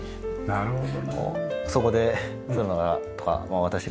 なるほど。